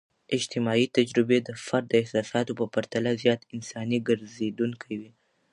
اجتماعي تجربې د فرد د احساساتو په پرتله زیات انساني ګرځیدونکي وي.